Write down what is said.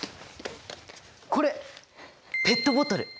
これペットボトル！